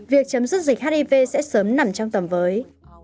việc chấm dứt dịch hiv sẽ sớm nằm trong tầm với